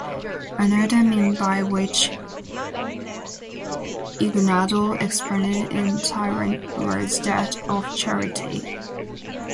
Another mean by which Yiguandao expanded in Taiwan was that of charity.